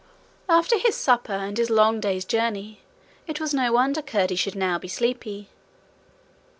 After his supper and his long day's journey it was no wonder Curdie should now be sleepy.